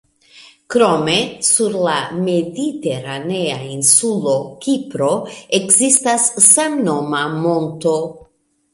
Krome, sur la mediteranea insulo Kipro ekzistas samnoma monto.